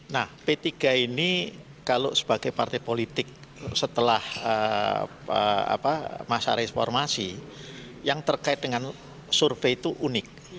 nah p tiga ini kalau sebagai partai politik setelah masa reformasi yang terkait dengan survei itu unik